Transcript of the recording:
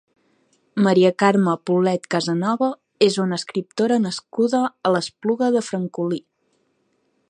Maria Carme Poblet Casanovas és una escriptora nascuda a l'Espluga de Francolí.